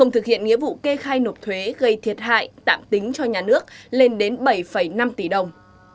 từ năm tỷ đồng